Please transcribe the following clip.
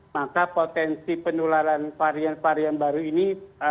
maka potensi penularan varian varian baru ini